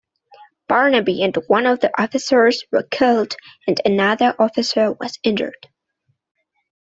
Barnaby and one of the officers were killed, and another officer was injured.